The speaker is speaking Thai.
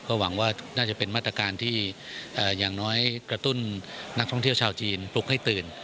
ก็หวังว่าน่าจะเป็นมาตรการที่อย่างน้อยกระตุ้นนักท่องเที่ยวชาวจีนปลุกให้ตื่น